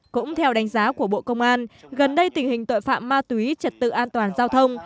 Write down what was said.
cũng theo đánh giá của bộ công an gần đây tình hình tội phạm ma túy trật tự an toàn giao thông